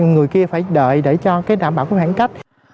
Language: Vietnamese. người kia phải đợi để cho đảm bảo khoảng cách